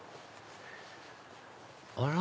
あら！